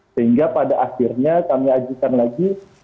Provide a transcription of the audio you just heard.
sehingga pada akhirnya kami ajukan lagi